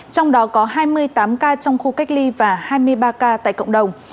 trong đó có hai mươi tám ca trong khu cách ly và hai mươi ba ca tại cộng đồng